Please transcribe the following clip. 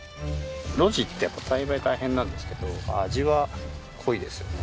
露地ってやっぱ栽培大変なんですけど味は濃いですよね。